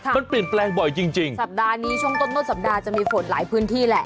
มันเปลี่ยนแปลงบ่อยจริงจริงสัปดาห์นี้ช่วงต้นต้นสัปดาห์จะมีฝนหลายพื้นที่แหละ